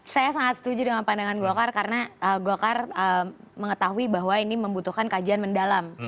saya sangat setuju dengan pandangan golkar karena golkar mengetahui bahwa ini membutuhkan kajian mendalam